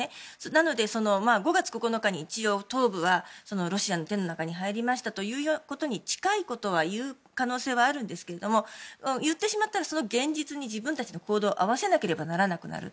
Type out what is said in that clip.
なので、５月９日に一応東部はロシアの手の中に入りましたということに近いことは言う可能性はあるんですけれども言ってしまったらその現実に自分たちの行動を合わせなければならなくなる。